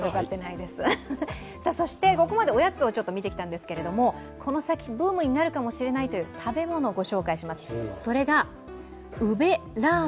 ここまでおやつを見てきたんですけどこの先、ブームになるかもしれないという食べ物をご紹介します。